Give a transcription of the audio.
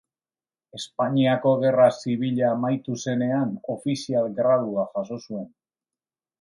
Espainiako Gerra Zibila amaitu zenean, ofizial gradua jaso zuen.